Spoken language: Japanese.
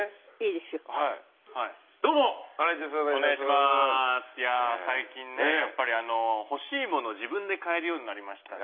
いや最近ねやっぱり欲しいものを自分で買えるようになりましたんでね。